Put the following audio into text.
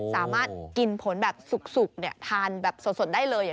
สามารถกินผลแบบสุกทานแบบสดได้เลย